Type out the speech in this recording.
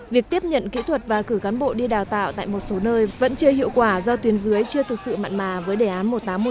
việc tiếp nhận kỹ thuật và cử cán bộ đi đào tạo tại một số nơi vẫn chưa hiệu quả do tuyến dưới chưa thực sự mặn mà với đề án một nghìn tám trăm một mươi